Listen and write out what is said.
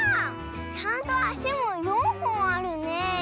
ちゃんとあしも４ほんあるね。